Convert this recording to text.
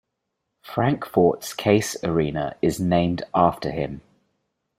Frankfort's Case Arena is named after him.